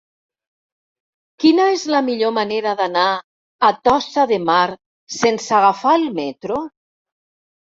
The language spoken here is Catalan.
Quina és la millor manera d'anar a Tossa de Mar sense agafar el metro?